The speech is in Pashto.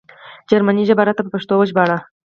جرمنۍ ژبه راته په پښتو وژباړه